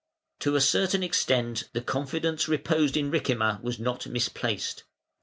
(456 468) To a certain extent the confidence reposed in Ricimer was not misplaced.